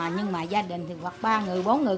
nhưng mà gia đình hoặc ba người bốn người